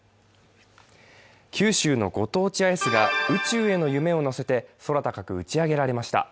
九州のご当地アイスが宇宙への夢を乗せて空高く打ち上げられました。